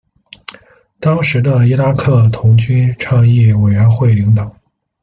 当时的伊拉克童军倡议委员会领导。